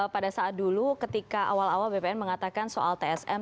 pada saat dulu ketika awal awal bpn mengatakan soal tsm